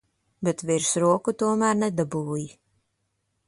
Bet virsroku tomēr nedabūji.